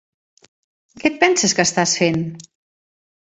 Què et penses que estàs fent?